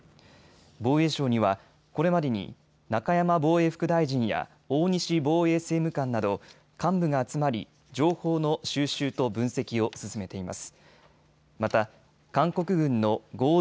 防衛省には、これまでに中山防衛副大臣や大西防衛政務官など幹部が集まり情報の収集と分析を進めています。